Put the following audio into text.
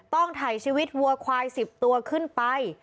ถ่ายชีวิตวัวควาย๑๐ตัวขึ้นไป